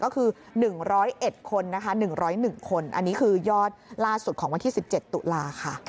ก็คือ๑๐๑คนอันนี้คือยอดล่าสุดของวันที่๑๗ตุลาคา